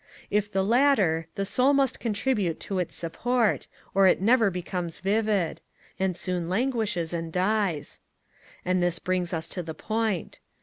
If the latter, the soul must contribute to its support, or it never becomes vivid, and soon languishes and dies. And this brings us to the point.